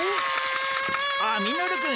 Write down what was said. ああミノルくん